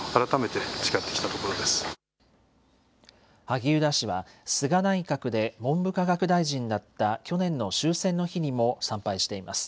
萩生田氏は菅内閣で文部科学大臣だった去年の終戦の日にも参拝しています。